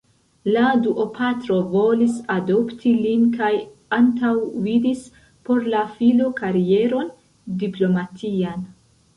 La duopatro volis adopti lin kaj antaŭvidis por la filo karieron diplomatian.